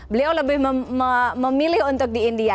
beliau lebih memilih untuk di india